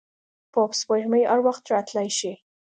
پوپ سپوږمۍ هر وخت راتلای شي.